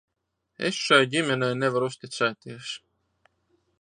Es šai ģimenei nevaru uzticēties.